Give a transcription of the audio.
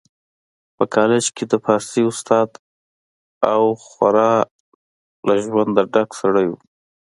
په کالج کي د فارسي استاد او خورا له ژونده ډک سړی و